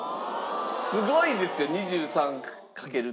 すごいですよ２３かけるって。